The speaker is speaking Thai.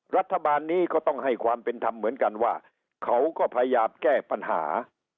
รัฐบาลนี้ก็ต้องให้ความเป็นธรรมเหมือนกันว่าเขาก็พยายามแก้ปัญหา